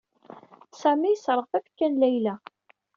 Sami yesserɣ tafekka n Layla.